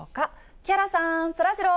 木原さん、そらジロー。